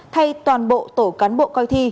thay toàn bộ tổ cán bộ coi thi